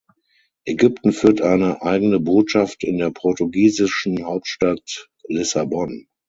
Ägypten führt eine eigene Botschaft in der portugiesischen Hauptstadt Lissabon.